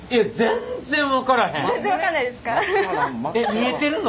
見えてるの？